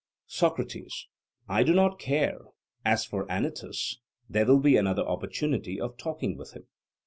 SOCRATES: I do not care; as for Anytus, there will be another opportunity of talking with him.